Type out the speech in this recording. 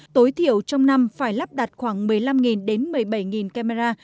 tối thiểu trong năm phải lắp đặt khoảng một mươi năm đến một mươi bảy camera